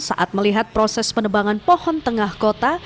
saat melihat proses penebangan pohon tengah kota